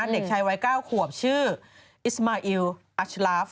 เด็กชายวัย๙ขวบชื่ออิสมาอิลอัชลาฟ